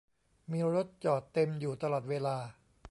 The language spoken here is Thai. มีรถจอดเต็มอยู่ตลอดเวลา